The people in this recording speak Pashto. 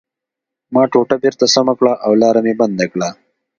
ما ټوټه بېرته سمه کړه او لاره مې بنده کړه